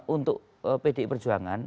untuk pdi perjuangan